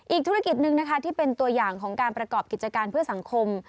อีกธุรกิจหนึ่งนะคะที่เป็นตัวอย่างของการประกอบกิจการเพื่อสังคม